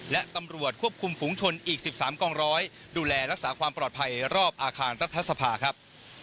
และตำรวจควบคุมฝุงชนอีก๑๓กองร้อยดูแลรักษาความปลอดภัยรอบอาคารรัฐสภาครับ